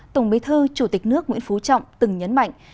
tổng bí thư chủ tịch nước nguyễn phú trọng từng nhấn mạnh